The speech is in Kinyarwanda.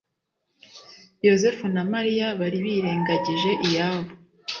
Yosefu na Mariya bari birengagije iyabo.